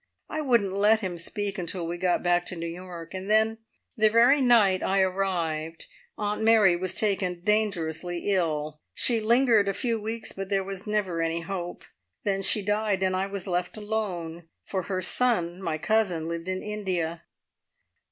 I wouldn't let him speak until we got back to New York, and then, the very night I arrived, Aunt Mary was taken dangerously ill. She lingered a few weeks, but there was never any hope. Then she died and I was left alone, for her son, my cousin, lived in India.